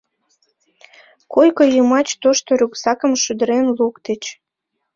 Койко йымач тошто рюкзакым шӱдырен луктыч.